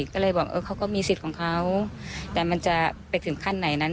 ก็เลยบอกเขาก็มีสิทธิ์ของเขาแต่มันจะไปถึงขั้นไหนนั้น